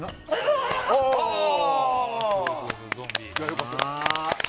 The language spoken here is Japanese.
良かったです。